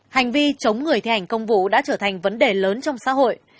hành vi chống người thi hành công vụ đã trở thành vấn đề lớn trong xã hội